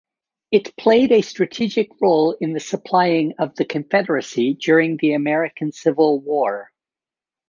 It played a strategic role in supplying the Confederacy during the American Civil War.